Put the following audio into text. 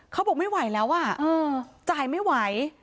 เขาบอกไม่ไหวแล้วอ่ะจ่ายไม่ไหว